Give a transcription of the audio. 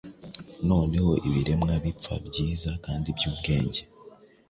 Noneho Ibiremwa bipfa, byiza kandi byubwenge,